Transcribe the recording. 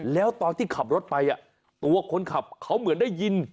แล้วตอนที่ขับรถไปตัวคนขับเขาเหมือนได้ยิน